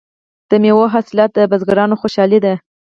د میوو حاصلات د بزګرانو خوشحالي ده.